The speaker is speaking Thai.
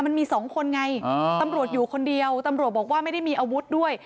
มันมีสองคนไงตำรวจอยู่คนเดียวตำรวจบอกว่าไม่ได้มีอาวุธด้วย